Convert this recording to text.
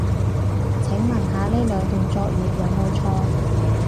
請問下呢兩段作業有冇錯